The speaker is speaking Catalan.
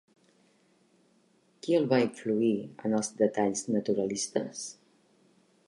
Qui el va influir en els detalls naturalistes?